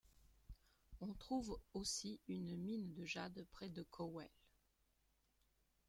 On trouve aussi une mine de jade près de Cowell.